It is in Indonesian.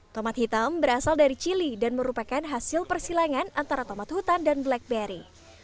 tomat hitam berasal dari chile dan merupakan hasil persilangan antara tomat hutan dan blackberry